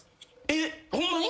えっホンマに？